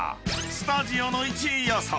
［スタジオの１位予想］